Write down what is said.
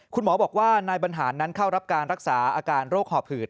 คุณหมอบอกว่านายบรรหารนั้นเข้ารับการรักษาอาการโรคหอบหืด